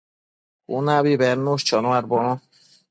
cunabi bednush chonuadbono